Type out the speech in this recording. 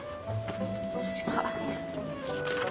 確か。